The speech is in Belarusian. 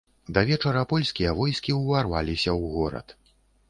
Да вечара польскія войскі ўварваліся ў горад.